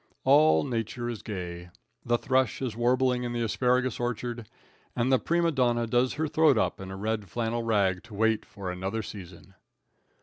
All nature is gay. The thrush is warbling in the asparagus orchard, and the prima donna does her throat up in a red flannel rag to wait for another season.